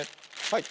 はい。